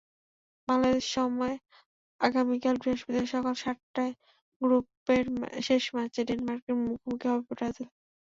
বাংলাদেশ সময় আগামীকাল বৃহস্পতিবার সকাল সাতটায় গ্রুপের শেষ ম্যাচে ডেনমার্কের মুখোমুখি হবে ব্রাজিল।